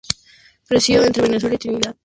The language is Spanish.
Creció entre Venezuela y Trinidad.